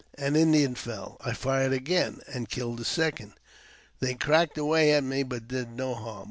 An Indian fell. I fired again, and killed a second. They cracked away at me, but did no harm.